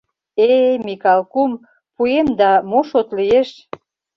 — Э, Микал кум, пуэм да мо шот лиеш?